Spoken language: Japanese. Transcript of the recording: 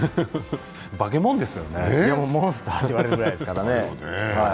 モンスターと言われるくらいですから。